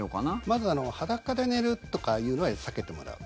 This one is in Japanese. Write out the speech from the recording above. まず裸で寝るとかいうのは避けてもらう。